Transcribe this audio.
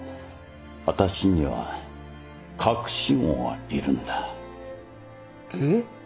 私には隠し子がいるんだ。え？